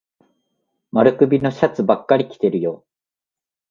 丸首のシャツばっかり着てるよ。